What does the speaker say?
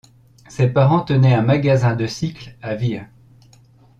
Ses parents tenaient un magasin de cycle à Vire.